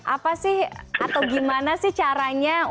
apa sih atau gimana sih caranya untuk membuat